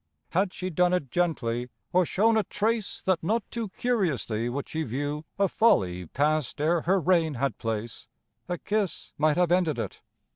Had she done it gently, or shown a trace That not too curiously would she view A folly passed ere her reign had place, A kiss might have ended it.